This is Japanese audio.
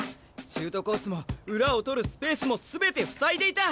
シュートコースも裏を取るスペースも全て塞いでいた。